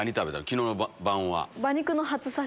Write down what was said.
昨日の晩は。